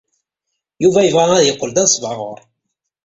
Yuba yebɣa ad yeqqel d anesbaɣur.